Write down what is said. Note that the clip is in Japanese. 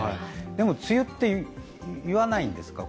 でも梅雨っていわないんですか？